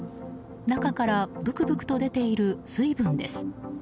中からブクブクと出ている水分です。